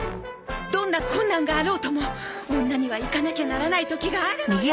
どんな困難があろうとも女には行かなきゃならない時があるのよ！